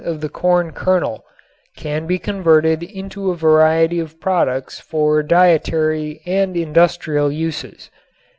of the corn kernel, can be converted into a variety of products for dietary and industrial uses.